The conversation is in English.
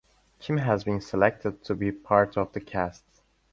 Kim has been selected to be part of the cast.